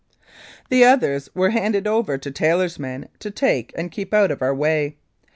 The others were handed over to Taylor's men to take and keep out of our way.